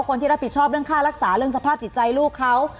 คนที่รับผิดชอบเรื่องค่ารักษาเรื่องสภาพจิตใจลูกเขา